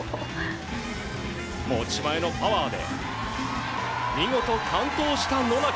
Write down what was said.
持ち前のパワーで見事、完登した野中。